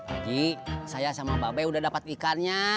aji saya sama mbak be udah dapat ikannya